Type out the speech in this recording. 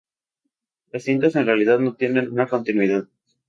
Las cintas en realidad no tienen una continuidad.